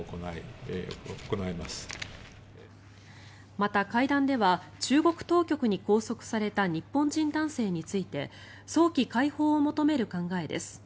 また、会談では中国当局に拘束された日本人男性について早期解放を求める考えです。